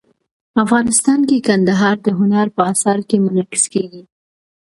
افغانستان کې کندهار د هنر په اثار کې منعکس کېږي.